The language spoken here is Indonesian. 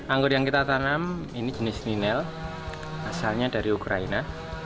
anggur yang kita tanam ini jenis ninel asalnya dari ukraina